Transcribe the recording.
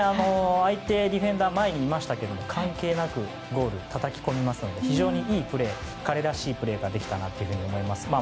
相手ディフェンダー前にいましたけど関係なくゴールにたたき込みますので非常にいいプレー彼らしいプレーができたなと思います。